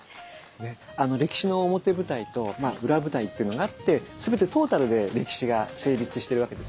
歴史の表舞台と裏舞台というのがあって全てトータルで歴史が成立してるわけですよね。